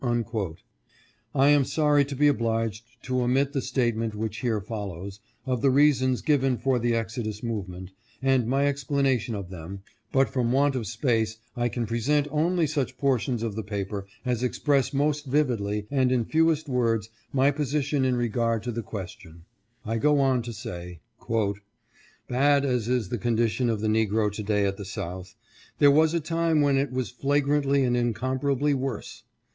I am sorry to be obliged to omit the statement which here follows, of the reasons given for the Exodus move ment, and my explanation of them, but from want of 528 CONDITION TO DAY BETTER THAN IN THE PAST. space I can present only such portions of the paper as express most vividly and in fewest words my position in regard to the question. I go on to say :" Bad as is the condition of the negro to day at the South, there was a time when it was flagrantly and incomparably worse.